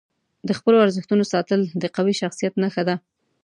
د خپلو ارزښتونو ساتل د قوي شخصیت نښه ده.